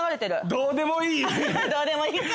どうでもいいか。